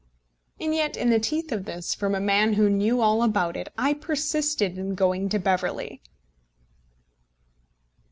And yet, in the teeth of this, from a man who knew all about it, I persisted in going to Beverley!